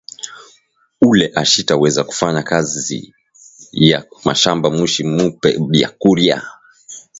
Ule ashita weza kufanya kaji ya mashamba mushi mupe byakuria